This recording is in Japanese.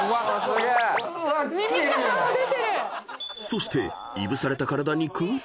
［そしていぶされた体に］うわ！